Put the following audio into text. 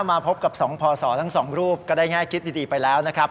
มาพบกับ๒พศทั้งสองรูปก็ได้แง่คิดดีไปแล้วนะครับ